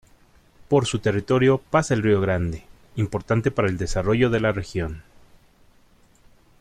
Por su territorio pasa el río Grande, importante para el desarrollo de la región.